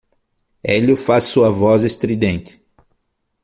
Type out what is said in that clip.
Hélio faz sua voz estridente.